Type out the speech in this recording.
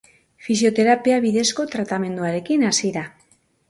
Fisioterapia bidezko tratamenduarekin hasi da.